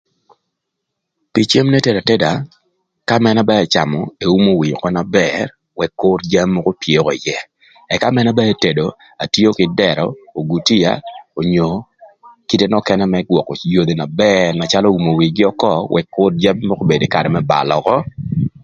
Pï cem n'etedo ateda ka man ba ëcamö othum eumo wie ökö na bër ëk kür jami mökö opye ïë ëka man ba etedo atio kï dërö, ogutia onyo kite nökënë më gwökö yodhi na bër calö gïn umo wigï ökö ëk kür jami mökö obed kï karë më balö ökö.